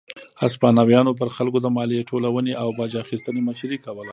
هسپانویانو پر خلکو د مالیې ټولونې او باج اخیستنې مشري کوله.